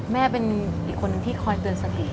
แม่เป็นอีกคนที่คอยเตือนสติ